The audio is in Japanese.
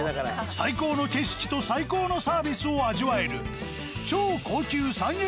最高の景色と最高のサービスを味わえる。